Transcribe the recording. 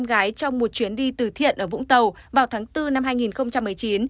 huyền trân đã đi cùng với em gái trong một chuyến đi từ thiện ở vũng tàu vào tháng bốn năm hai nghìn một mươi chín